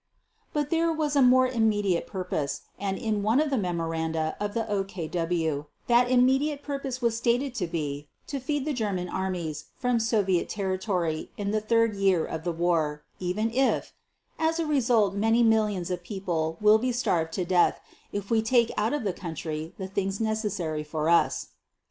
But there was a more immediate purpose, and in one of the memoranda of the OKW, that immediate purpose was stated to be to feed the German Armies from Soviet territory in the third year of the war, even if "as a result many millions of people will be starved to death if we take out of the country the things necessary for us."